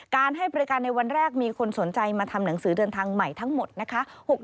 ให้บริการในวันแรกมีคนสนใจมาทำหนังสือเดินทางใหม่ทั้งหมดนะคะ